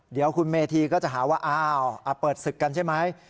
เดี๋ยวคุณเมธีก็จะหาว่าอ้าวเปิดศึกกันใช่ไหม